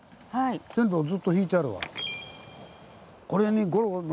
線路ずっと引いてあるわ。